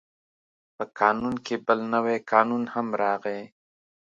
په قانون کې بل نوی بدلون هم راغی.